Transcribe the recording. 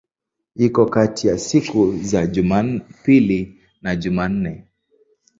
Iko kati ya siku za Jumapili na Jumanne.